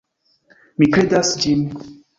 Mi kredas ĝin.